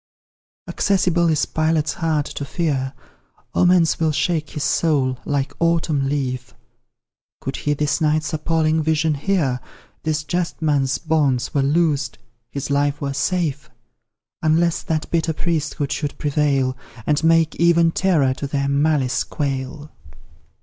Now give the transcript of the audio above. Accessible is Pilate's heart to fear, Omens will shake his soul, like autumn leaf; Could he this night's appalling vision hear, This just man's bonds were loosed, his life were safe, Unless that bitter priesthood should prevail, And make even terror to their malice quail.